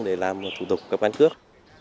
để làm thủ tục cấp căn cước